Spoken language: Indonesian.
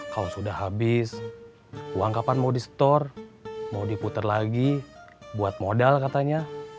kalau sudah habis uang kapan mau di store mau diputar lagi buat modal katanya